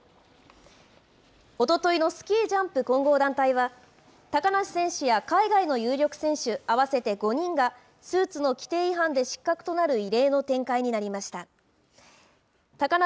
おとといのスキージャンプ混合団体は、高梨選手や海外の有力選手、合わせて５人がスーツの規定違反で失格となる異例の展開になりました。